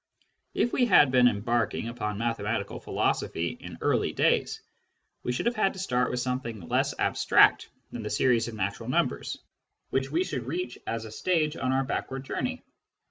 If we had been embarking upon mathematical philosophy in earlier days, we should have had to start with something less abstract than the series of natural numbers, which we should reach as a stage on our backward journey.